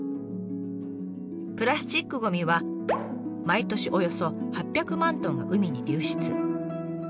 プラスチックゴミは毎年およそ８００万トンが海に流出。